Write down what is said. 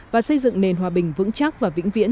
và xây dựng nền hòa bình vững chắc và vĩnh viễn